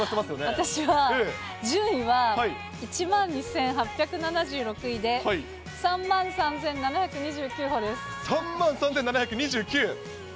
私は、順位は１万２８７６位で、３万３７２９。